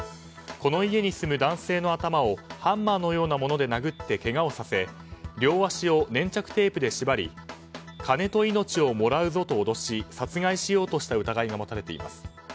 この家に住む男性の頭をハンマーのようなもので殴ってけがをさせ両足を粘着テープで縛り金と命をもらうぞと脅し殺害しようとした疑いが持たれています。